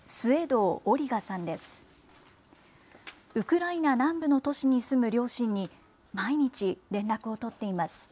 ウクライナ南部の都市に住む両親に、毎日連絡を取っています。